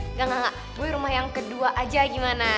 nggak nggak gue rumah yang kedua aja gimana